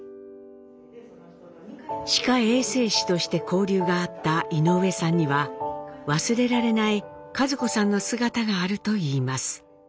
歯科衛生士として交流があった井上さんには忘れられない一子さんの姿があるといいます。